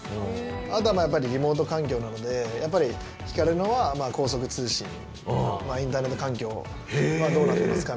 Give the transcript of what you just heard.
あとはリモート環境なのでやっぱり聞かれるのは高速通信、インターネット環境どうなってますか？